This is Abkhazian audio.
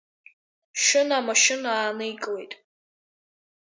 Шьына амашьына ааникылеит.